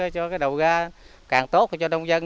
cho cái đầu ra càng tốt cho đông dân